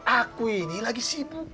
aku ini lagi sibuk